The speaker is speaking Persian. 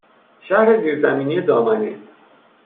شهر زیرزمینی دامنه